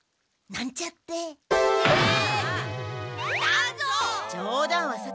なんちゃって！団蔵！